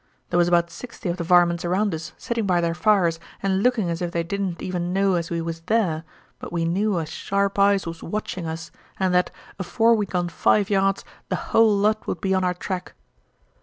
There was about sixty of the varmints around us sitting by their fires and looking as ef they didn't even know as we was there, but we knew as sharp eyes was watching us and that, afore we'd gone five yards, the hull lot would be on our track.